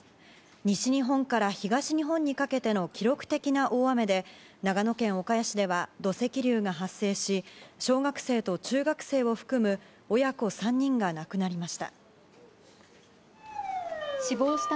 西日本から東日本にかけての記録的な大雨で長野県岡谷市では土石流が発生し小学生と中学生を含む親子３人亡くなりました。